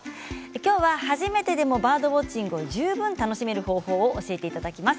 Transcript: きょうは初めてでもバードウォッチングを十分楽しめる方法を教えていただきます。